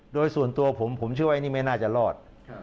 โดยส่วนตัวผมผมเชื่อว่านี่ไม่น่าจะรอด